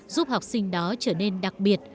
giúp học sinh đó trở nên đặc biệt